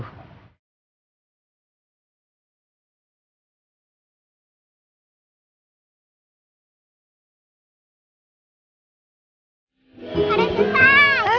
sampai jumpa lagi